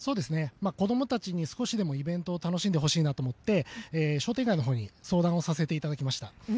子どもたちに少しでもイベントを楽しんでほしいなと思って商店街のほうに相談をさせていただきました。